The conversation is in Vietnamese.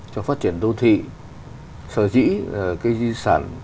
cho phát triển đô thị sở dĩ cái di sản